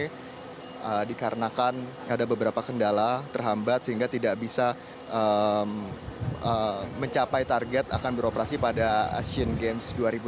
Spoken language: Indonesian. jadi dikarenakan ada beberapa kendala terhambat sehingga tidak bisa mencapai target akan beroperasi pada asian games dua ribu delapan belas